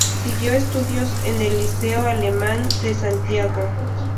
Siguió estudios en el Liceo Alemán de Santiago.